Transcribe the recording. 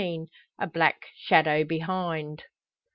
A BLACK SHADOW BEHIND.